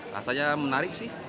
rasanya menarik sih